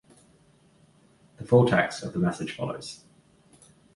The full text of the message follows.